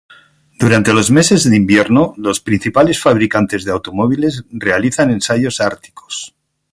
Durante los meses de invierno, los principales fabricantes de automóviles realizan ensayos árticos.